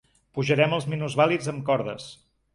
Pujarem els minusvàlids amb cordes